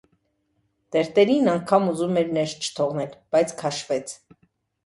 Տերտերին անգամ ուզում էր ներս չթողնել, բայց քաշվեց: